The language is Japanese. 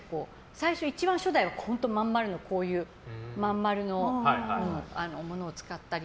最初一番初代は真ん丸のものを使ったり。